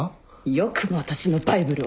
よくも私のバイブルを。